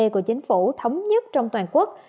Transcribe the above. của chính phủ thống nhất trong toàn quốc